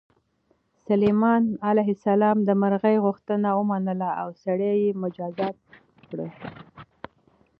سلیمان علیه السلام د مرغۍ غوښتنه ومنله او سړی یې مجازات کړ.